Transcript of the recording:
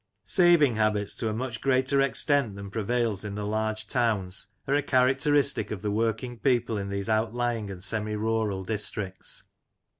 '" Saving habits, to a much greater extent than prevails in the large towns, are a characteristic of the working people in these outlying and semi rural districts.